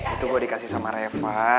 itu mau dikasih sama reva